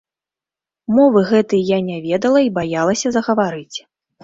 Мовы гэтай я не ведала й баялася загаварыць.